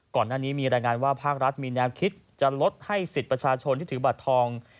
ก่อนหน้านี้มีรายงานว่าภาครัฐมีแนวคิดจะลดให้สิทธิ์ประชาชนที่ถือบัตรทอง